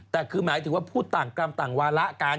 แต่คือหมายถึงว่าพูดต่างกรรมต่างวาระกัน